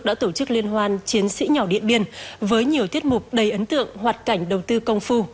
đã tổ chức liên hoan chiến sĩ nhỏ điện biên với nhiều tiết mục đầy ấn tượng hoạt cảnh đầu tư công phu